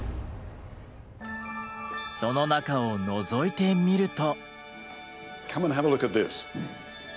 その中をのぞいてみると。